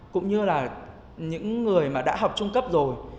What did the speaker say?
cũng như là những người mà đã học trung cấp rồi